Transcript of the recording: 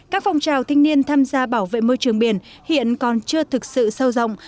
các phong trào thanh niên tham gia bảo vệ môi trường biển hiện còn chưa thực sự sâu rộng